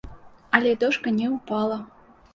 Але дошка не ўпала.